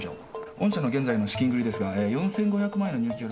御社の現在の資金繰りですが４，５００万円の入金は。